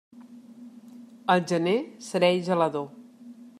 El gener serè i gelador.